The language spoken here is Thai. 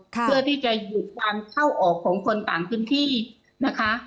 เพื่อที่จะหยุดการเข้าออกของคนต่างพื้นที่นะคะ